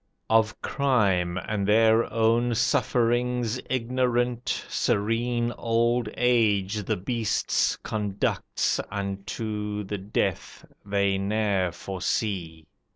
"Of crime, and their own sufferings ignorant, Serene old age the beasts conducts Unto the death they ne'er foresee.